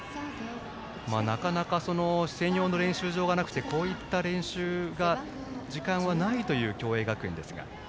なかなか専用の練習場がなくてこういった練習の時間はないという共栄学園ですが。